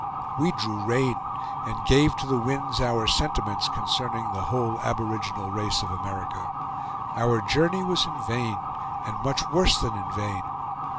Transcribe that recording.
We drew rein and gave to the winds our sentiments concerning the whole aboriginal race of America. Our journey was in vain and much worse than in vain.